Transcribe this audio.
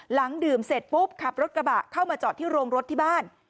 หลังดื่มเสร็จปุ๊บขับรถกระบะเข้ามาจอดที่โรงรถที่บ้าน